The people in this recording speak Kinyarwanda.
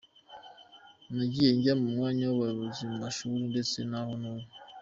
nagiye njya mu myanya y’ubuyobozi mu mashuri, ndetse n’aho ntuye.